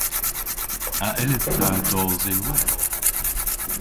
A yllydh ta dos ynwedh?